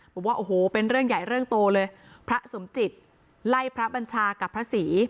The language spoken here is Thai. บอกว่าโอ้โหเป็นเรื่องใหญ่เรื่องโตเลยพระสมจิตไล่พระบัญชากับพระศรี